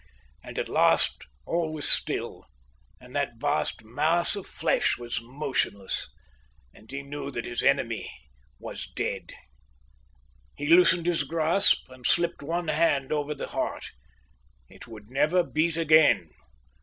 And at last all was still, and that vast mass of flesh was motionless, and he knew that his enemy was dead. He loosened his grasp and slipped one hand over the heart. It would never beat again.